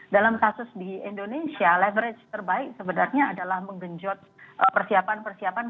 dalam kasus di indonesia leverage terbaik sebenarnya adalah menggenjot persiapan persiapan